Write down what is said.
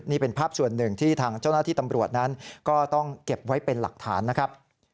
นี่เป็นภาพส่วนหนึ่งที่ทางเจ้าหน้าที่ตำรวจนั้นก็ต้องเก็บไว้เป็นหลักฐานนะครับ